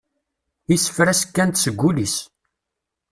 Isefra-s kkan-d seg wul-is.